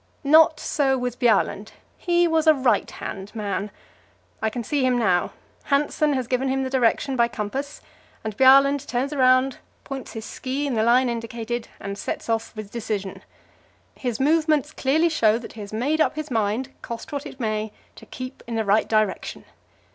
Not so with Bjaaland; he was a right hand man. I can see him now; Hanssen has given him the direction by compass, and Bjaaland turns round, points his ski in the line indicated and sets of with decision. His movements clearly show that he has made up his mind, cost what it may, to keep in the right direction.